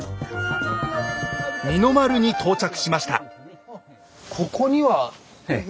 二の丸に到着しました。